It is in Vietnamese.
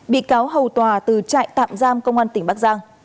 bị cáo hầu tòa từ trại tạm giam công an tỉnh bắc giang